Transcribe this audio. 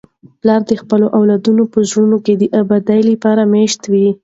پلار د خپلو اولادونو په زړونو کي د ابد لپاره مېشت وي.